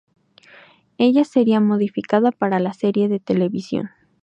Ella sería modificada para la serie de televisión.